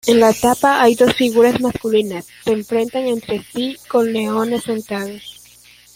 En la tapa hay dos figuras masculinas se enfrentan entre sí con leones sentados.